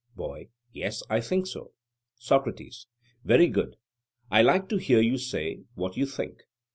BOY: Yes; I think so. SOCRATES: Very good; I like to hear you say what you think.